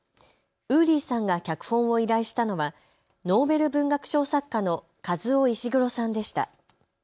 ウーリーさんが脚本を依頼したのはノーベル文学賞作家のカズオ・イシグロさんでした。